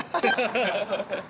ハハハハ！